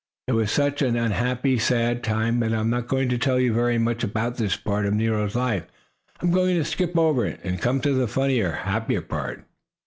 It was such an unhappy, sad time that I am not going to tell you very much about this part of Nero's life. I'm going to skip over it and come to the funnier, happier part.